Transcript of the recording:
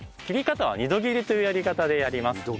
切り方は２度切りというやり方でやります。